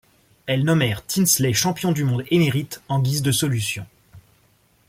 Elles nommèrent Tinsley champion du monde émérite en guise de solution.